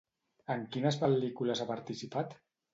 En quines pel·lícules ha participat?